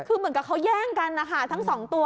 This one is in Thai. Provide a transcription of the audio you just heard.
ก็เหมือนกับเขาแย่งกันทั้งสองตัว